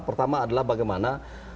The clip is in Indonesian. pertama adalah bagaimana